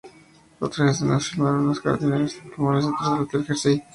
Otras escenas se filmaron en los jardines formales detrás del Hotel Hershey.